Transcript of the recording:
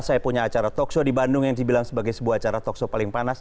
saya punya acara talkshow di bandung yang dibilang sebagai sebuah acara talkshow paling panas